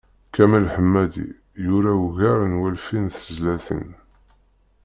Kamal Ḥemmadi yura ugar n walfin n tezlatin.